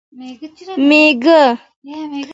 مېږه